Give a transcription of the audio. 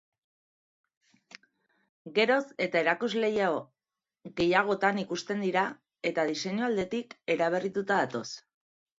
Geroz eta erakusleiho gehiagotan ikusten dira eta diseinu aldetik eraberrituta datoz.